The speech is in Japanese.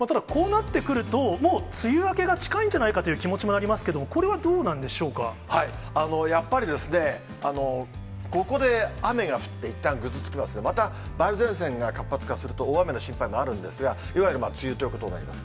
ただこうなってくると、もう梅雨明けが近いんじゃないかという気持ちもありますけれども、やっぱり、ここで雨が降っていったんぐずつきますが、また梅雨前線が活発化すると、大雨の心配もあるんですが、いわゆる梅雨ということになります。